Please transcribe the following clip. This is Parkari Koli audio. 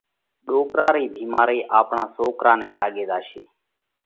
ڏوڪرا رئِي ڀيمارئِي آپڻا سوڪرا نئہ لاڳي زاشي۔